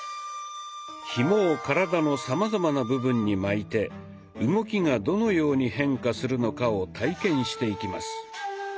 ひもを体のさまざまな部分に巻いて動きがどのように変化するのかを体験していきます。